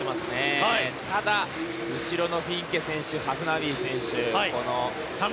ただ、後ろのフィンケ選手ハフナウイ選手。